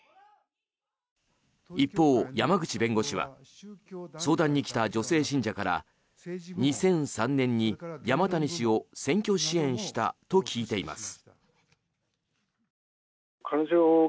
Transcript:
一方、山口弁護士は相談に来た女性信者から２００３年に山谷氏を選挙支援したと聞いています。